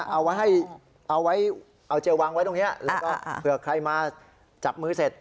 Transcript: เอาเจลวางไว้ตรงนี้เผื่อใครมาจับมือเสร็จ